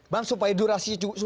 bang supaya durasi juga